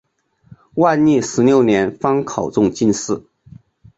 万历十六年方考中进士。